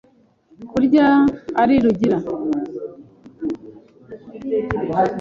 Kurya ari Rugira